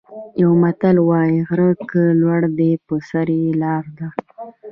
یو متل وايي: غر که لوړ دی په سر یې لاره ده.